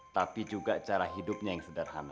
tapi juga cara hidupnya yang sederhana